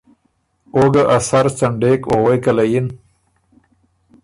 او ګه ا سر څنډېک او غوېکه له یِن